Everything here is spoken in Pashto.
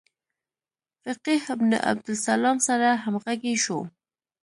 فقیه ابن عبدالسلام سره همغږي شو.